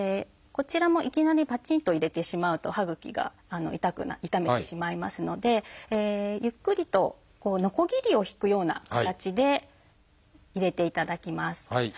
こちらもいきなりぱちんと入れてしまうと歯ぐきが傷めてしまいますのでゆっくりとノコギリを引くような形で入れていただきます。